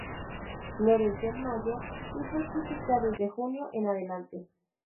Florece en mayo y fructifica desde junio en adelante.